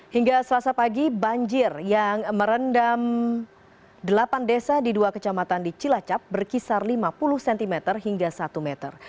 hingga selasa pagi banjir yang merendam delapan desa di dua kecamatan di cilacap berkisar lima puluh cm hingga satu meter